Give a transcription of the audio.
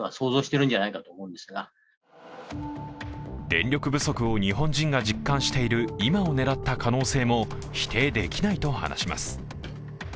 電力不足を日本人が実感している今を狙った可能性も否定できないと話します。